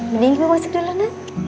bening gue masuk dulu nak